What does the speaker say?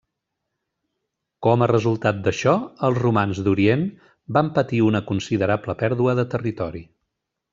Com a resultat d'això, els romans d'Orient van patir una considerable pèrdua de territori.